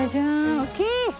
大きい！